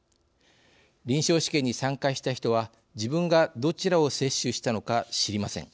臨床試験に参加した人は自分がどちらを接種したのか知りません。